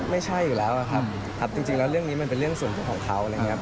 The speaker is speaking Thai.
ไม่ใช่อยู่แล้วครับจริงแล้วเรื่องนี้มันเป็นเรื่องส่วนตัวของเขาอะไรอย่างนี้